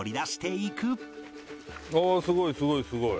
ああすごいすごいすごい。